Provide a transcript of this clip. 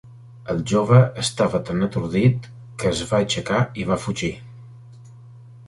El jove estava tan atordit que es va aixecar i va fugir.